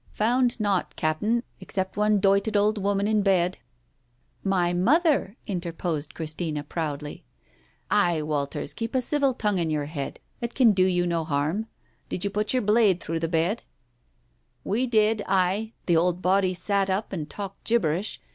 "Found naught, Cap'n, except one doited old woman in bed." " My mother !" interposed Christina proudly. "Ay, Walters, keep a civil tongue in your head, it can do you no harm. Did you put your blade thro* the bed?" "We did, ay, and the old body sat up, and talked gibberish.